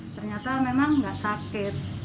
ternyata memang gak sakit